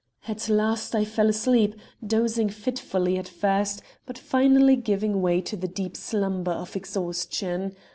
"At last I fell asleep, dozing fitfully at first, but finally giving way to the deep slumber of exhaustion.